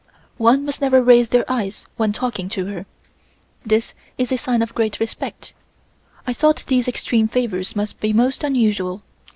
One must never raise their eyes when talking to her. This is a sign of great respect. I thought these extreme favors must be most unusual.